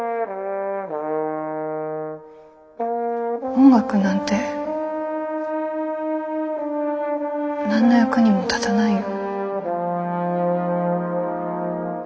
音楽なんて何の役にも立たないよ。